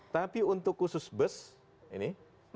tapi untuk khusus bus ini